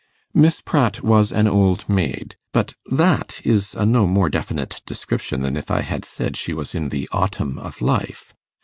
Miss Pratt was an old maid; but that is a no more definite description than if I had said she was in the autumn of life.